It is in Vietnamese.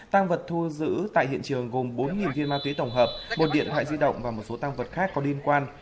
tăng vật thu giữ tại hiện trường gồm bốn viên ma túy tổng hợp một điện thoại di động và một số tăng vật khác có liên quan